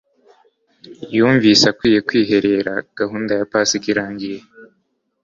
Yumvise akwiriye kwiherera. Gahunda ya Pasika irangiye,